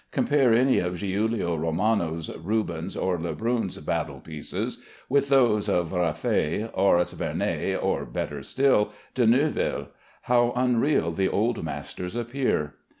Compare any of Giulio Romano's, Rubens', or Lebrun's battle pieces with those of Raffet, Horace Vernet, or, better still, De Neuville. How unreal the old masters appear!